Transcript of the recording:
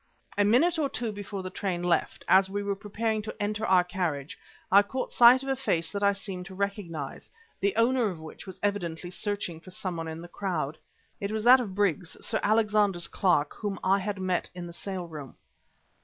A minute or two before the train left, as we were preparing to enter our carriage I caught sight of a face that I seemed to recognise, the owner of which was evidently searching for someone in the crowd. It was that of Briggs, Sir Alexander's clerk, whom I had met in the sale room.